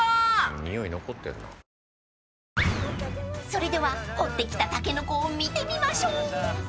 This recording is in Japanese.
［それでは掘ってきたタケノコを見てみましょう］